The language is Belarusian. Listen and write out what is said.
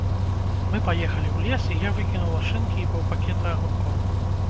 Мы паехалі ў лес, і я выкінула шынкі і паўпакета агуркоў.